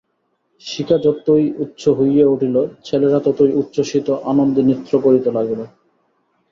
শিখা যতই উচ্চ হইয়া উঠিল ছেলেরা ততই উচ্ছ্বসিত আনন্দে নৃত্য করিতে লাগিল।